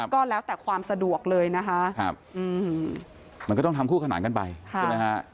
ก็แล้วแต่ความสะดวกเลยนะคะมันก็ต้องทำคู่ขนานกันไปใช่ไหมฮะ